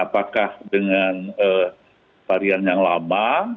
apakah dengan varian yang lama